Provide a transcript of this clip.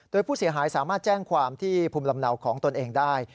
โดยผู้เสียหายสามารถแจ้งความที่ภูมิลำเนาของตนเองได้